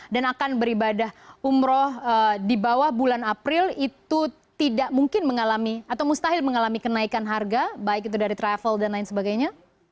dan akan beribadah umroh di bawah bulan april itu tidak mungkin mengalami atau mustahil mengalami kenaikan harga baik itu dari travel dan lain sebagainya